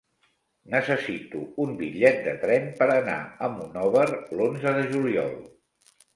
Necessito un bitllet de tren per anar a Monòver l'onze de juliol.